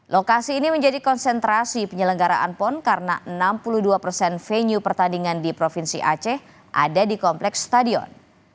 lokasi ini menjadi konsentrasi penyelenggaraan pon karena enam puluh dua persen venue pertandingan di provinsi aceh ada di kompleks stadion